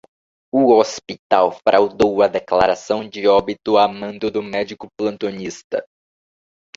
O hospital fraudou a declaração de óbito a mando do médico plantonista